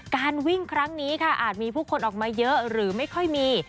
การวิ่งครั้งนี้ค่ะอาจมีผู้คนออกมาเยอะหรือไม่ค่อยมี